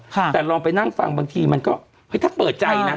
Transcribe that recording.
แต่ลองไปนั่งฟังบางทีมันก็เฮ้ยถ้าเปิดใจนะ